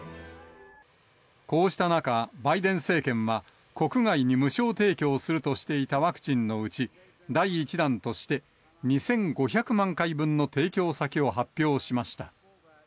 こうした中、バイデン政権は国外に無償提供するとしていたワクチンのうち、第１弾として、２５００万回分の提供先を発表しました。